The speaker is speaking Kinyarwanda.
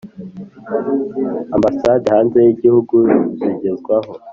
Ambasade hanze y igihugu zigezwaho